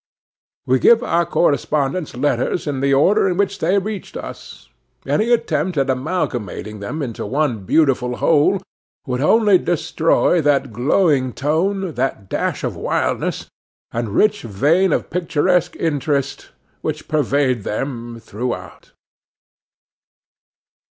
We give our correspondent's letters in the order in which they reached us. Any attempt at amalgamating them into one beautiful whole, would only destroy that glowing tone, that dash of wildness, and rich vein of picturesque interest, which pervade them throughout.